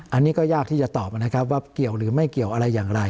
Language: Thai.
อันนี้ก็ยากที่จะตอบนะครับว่าเกี่ยวหรือไม่เกี่ยวอะไรอย่างไร